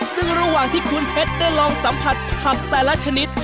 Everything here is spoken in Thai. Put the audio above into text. ซึ่งระหว่างที่คุณเพชรได้ลองสัมผัสผักแต่ละชนิด